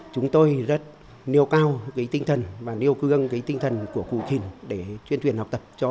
chúng tôi rất niêu cao cái tinh thần và niêu cương cái tinh thần của cụ khin để chuyên truyền học tập cho